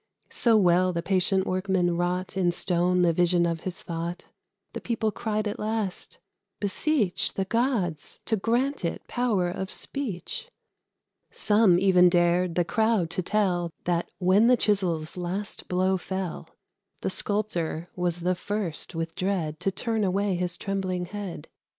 So well the patient workman wrought In stone the vision of his thought, The people cried at last, "Beseech The gods to grant it power of speech!" Some even dared the crowd to tell That, when the chisel's last blow fell, The Sculptor was the first with dread To turn away his trembling head.